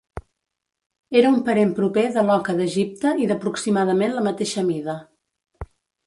Era un parent proper de l'oca d'Egipte i d'aproximadament la mateixa mida.